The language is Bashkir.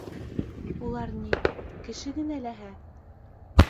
Улар ни, кеше генә ләһә!